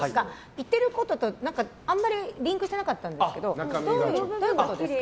言っていることと何かあんまりリンクしていなかったんですけどどういうことですか？